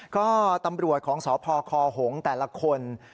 ก็ตำรวจของสพคหงษ์แต่ละคน